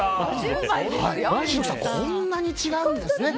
こんなに違うんですね。